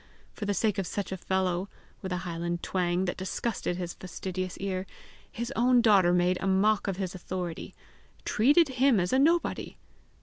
for the sake of such a fellow, with a highland twang that disgusted his fastidious ear, his own daughter made a mock of his authority, treated him as a nobody!